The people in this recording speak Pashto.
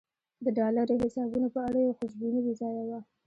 د ډالري حسابونو په اړه یې خوشبیني بې ځایه وه.